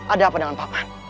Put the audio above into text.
ada apa dengan pak